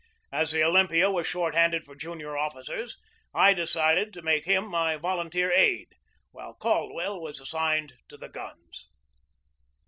As the Olym pia was short handed for junior officers I decided to make him my volunteer aide, while Caldwell was as signed to the guns.